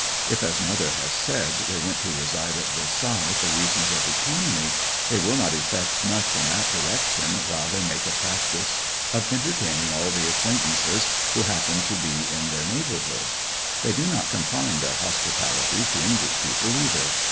If, as mother has said, they went to reside at Versailles for reasons of economy, they will not effect much in that direction while they make a practice of entertaining all the acquaintances who happen to be in their neighbourhood. They do not confine their hospitalities to English people, either.